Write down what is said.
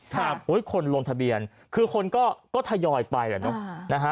คนลงทะเบียนคือคนก็ทยอยไปแหละเนอะนะฮะ